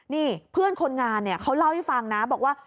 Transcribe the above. นี่เพื่อนคนงานเนี่ยเขาเล่าให้ฟังนะบอกว่า